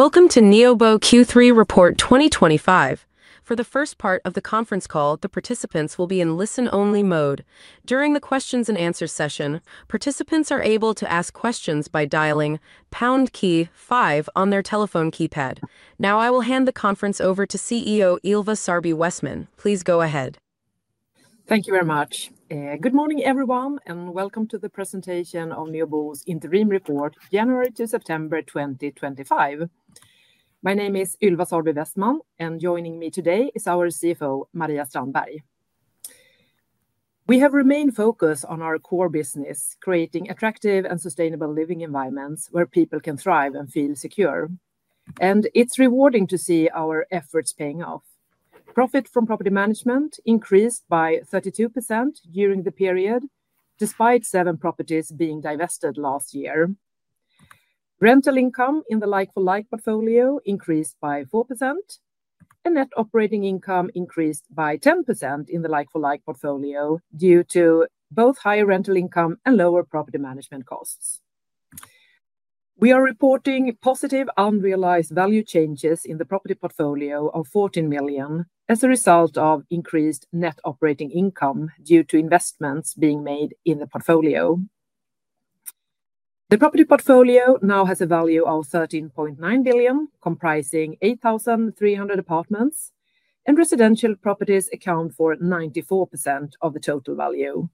Welcome to Neobo Q3 report 2025. For the first part of the conference call, the participants will be in listen-only mode. During the questions and answers session, participants are able to ask questions by dialing pound key five on their telephone keypad. Now, I will hand the conference over to CEO Ylva Sarby Westman. Please go ahead. Thank you very much. Good morning, everyone, and welcome to the presentation of Neobo's interim report, January to September 2025. My name is Ylva Sarby Westman, and joining me today is our CFO, Maria Strandberg. We have remained focused on our core business, creating attractive and sustainable living environments where people can thrive and feel secure. It is rewarding to see our efforts paying off. Profit from property management increased by 32% during the period, despite seven properties being divested last year. Rental income in the like-for-like portfolio increased by 4%, and net operating income increased by 10% in the like-for-like portfolio due to both higher rental income and lower property management expenses. We are reporting positive unrealized value changes in the property portfolio of 14 million as a result of increased net operating income due to investments being made in the portfolio. The property portfolio now has a value of 13.9 billion, comprising 8,300 apartments, and residential properties account for 94% of the total value.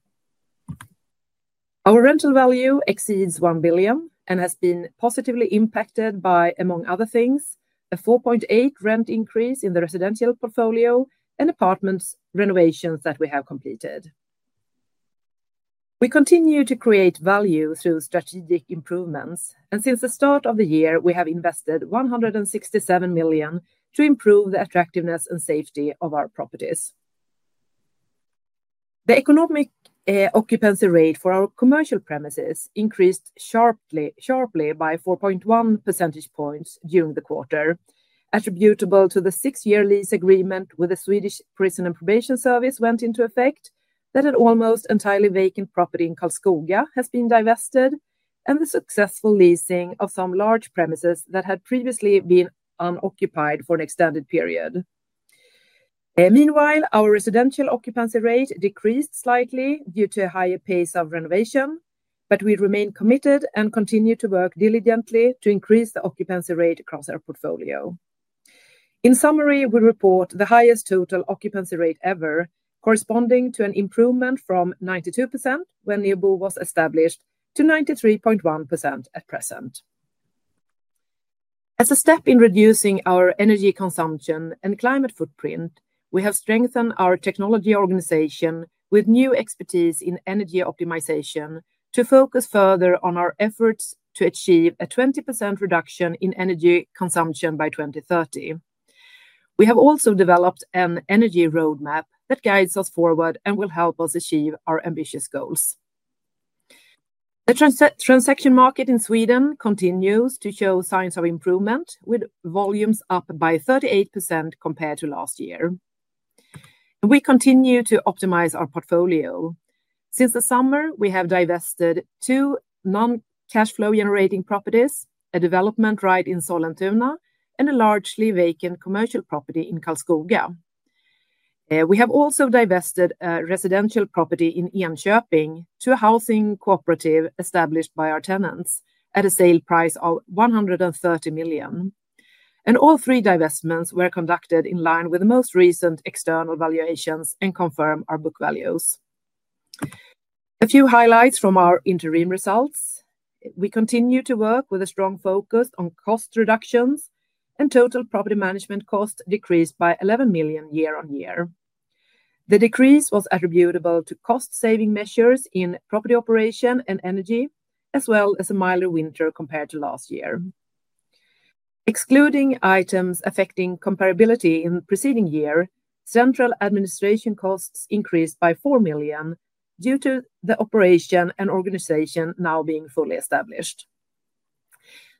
Our rental value exceeds 1 billion and has been positively impacted by, among other things, a 4.8% rent increase in the residential portfolio and apartment renovations that we have completed. We continue to create value through strategic improvements, and since the start of the year, we have invested 167 million to improve the attractiveness and safety of our properties. The economic occupancy rate for our commercial premises increased sharply by 4.1% points during the quarter, attributable to the six-year lease agreement with the Swedish Prison and Probation Service that went into effect, that had an almost entirely vacant property in Karlskoga has been divested, and the successful leasing of some large premises that had previously been unoccupied for an extended period. Meanwhile, our residential occupancy rate decreased slightly due to a higher pace of renovation, but we remain committed and continue to work diligently to increase the occupancy rate across our portfolio. In summary, we report the highest total occupancy rate ever, corresponding to an improvement from 92% when Neobo was established to 93.1% at present. As a step in reducing our energy consumption and climate footprint, we have strengthened our technology organization with new expertise in energy optimization to focus further on our efforts to achieve a 20% reduction in energy consumption by 2030. We have also developed an energy roadmap that guides us forward and will help us achieve our ambitious goals. The transaction market in Sweden continues to show signs of improvement, with volumes up by 38% compared to last year. We continue to optimize our portfolio. Since the summer, we have divested two non-cash flow generating properties: a development right in Sollentuna and a largely vacant commercial property in Karlskoga. We have also divested a residential property in Enköping to a housing cooperative established by our tenants at a sale price of 130 million. All three divestments were conducted in line with the most recent external valuations and confirm our book values. A few highlights from our interim results: we continue to work with a strong focus on cost reductions, and total property management expenses decreased by 11 million year on year. The decrease was attributable to cost-saving measures in property operation and energy, as well as a milder winter compared to last year. Excluding items affecting comparability in the preceding year, central administration costs increased by 4 million due to the operation and organization now being fully established.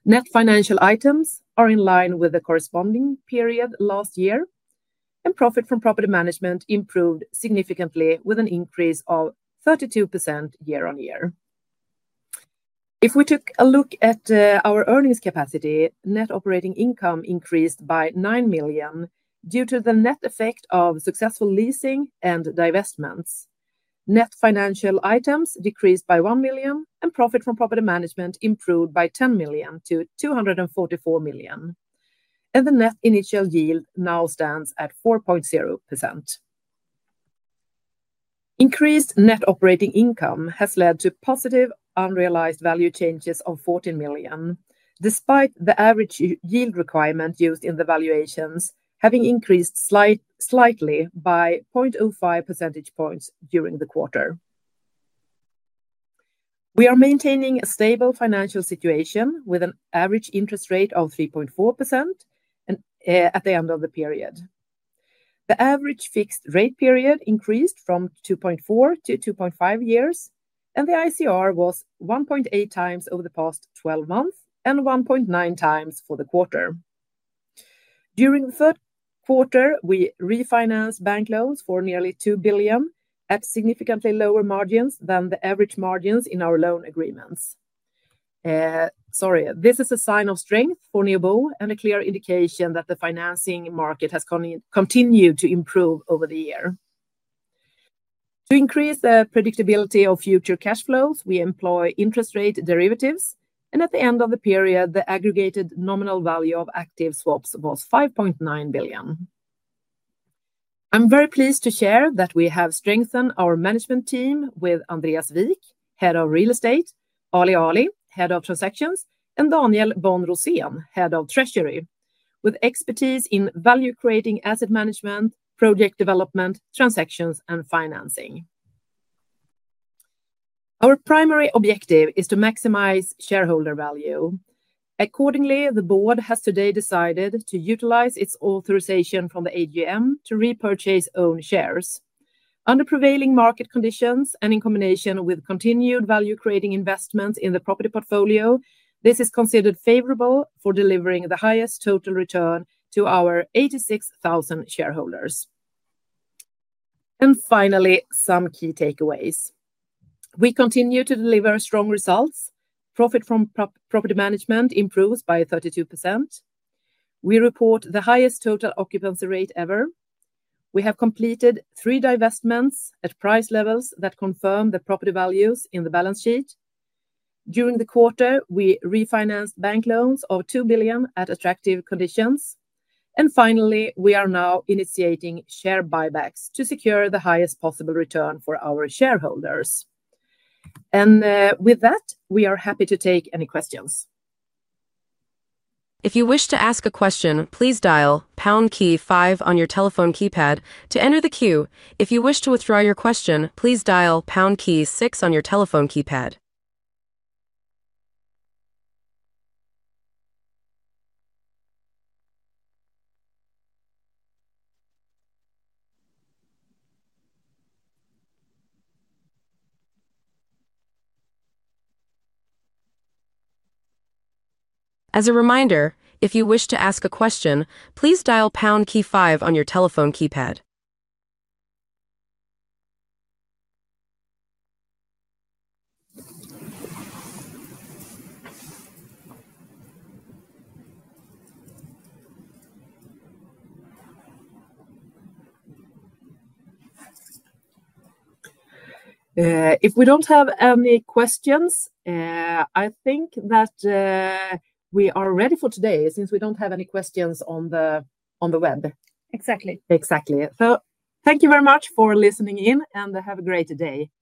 Net financial items are in line with the corresponding period last year, and profit from property management improved significantly with an increase of 32% year on year. If we took a look at our earnings capacity, net operating income increased by 9 million due to the net effect of successful leasing and divestments. Net financial items decreased by 1 million, and profit from property management improved by 10 million to 244 million. The net initial yield now stands at 4.0%. Increased net operating income has led to positive unrealized value changes of 14 million, despite the average yield requirement used in the valuations having increased slightly by 0.05 percentage points during the quarter. We are maintaining a stable financial situation with an average interest rate of 3.4% at the end of the period. The average fixed rate period increased from 2.4 to 2.5 years, and the ICR was 1.8x over the past 12 months and 1.9x for the quarter. During the third quarter, we refinanced bank loans for nearly 2 billion at significantly lower margins than the average margins in our loan agreements. This is a sign of strength for Neobo and a clear indication that the financing market has continued to improve over the year. To increase the predictability of future cash flows, we employ interest rate derivatives, and at the end of the period, the aggregated nominal value of active swaps was 5.9 billion. I'm very pleased to share that we have strengthened our management team with Andreas Wik, Head of Real Estate, Ali Ali, Head of Transactions, and Daniel Bonn Rosén, Head of Treasury, with expertise in value creating asset management, project development, transactions, and financing. Our primary objective is to maximize shareholder value. Accordingly, the board has today decided to utilize its authorization from the AGM to repurchase owned shares. Under prevailing market conditions and in combination with continued value creating investments in the property portfolio, this is considered favorable for delivering the highest total return to our 86,000 shareholders. Finally, some key takeaways. We continue to deliver strong results. Profit from property management improves by 32%. We report the highest total occupancy rate ever. We have completed three divestments at price levels that confirm the property values in the balance sheet. During the quarter, we refinanced bank loans of 2 billion at attractive conditions. We are now initiating share buybacks to secure the highest possible return for our shareholders. With that, we are happy to take any questions. If you wish to ask a question, please dial pound key five on your telephone keypad. To enter the queue, if you wish to withdraw your question, please dial pound key six on your telephone keypad. As a reminder, if you wish to ask a question, please dial pound key five on your telephone keypad. If we don't have any questions, I think that we are ready for today since we don't have any questions on the web. Exactly. Exactly. Thank you very much for listening in and have a great day. Bye.